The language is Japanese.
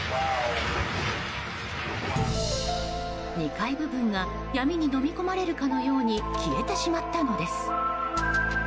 ２階部分が闇にのみ込まれるかのように消えてしまったのです。